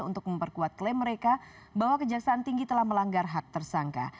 untuk memperkuat klaim mereka bahwa kejaksaan tinggi telah melanggar hak tersangka